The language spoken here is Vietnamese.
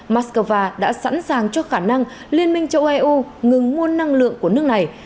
mắc cơ va đã sẵn sàng cho khả năng liên minh châu âu eu ngừng mua năng lượng của nước này